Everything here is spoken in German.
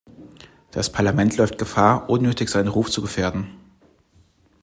Das Parlament läuft Gefahr, unnötig seinen Ruf zu gefährden.